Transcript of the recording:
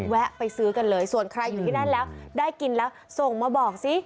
แวะไปซื้อกันเลยส่วนใครอยู่ที่นั่นแล้วได้กินแล้วส่งมาบอกสิ